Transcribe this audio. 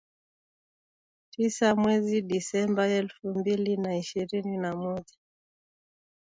tisa mwezi Desemba elfu mbili na ishirini na moja